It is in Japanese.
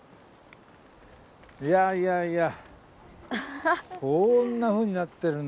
いやいやいや。